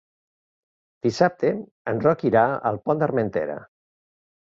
Dissabte en Roc irà al Pont d'Armentera.